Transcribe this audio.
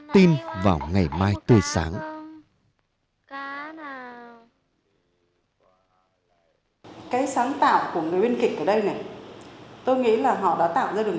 tin vào ngày mai tươi sáng